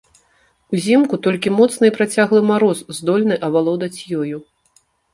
Узімку толькі моцны і працяглы мароз здольны авалодаць ёю.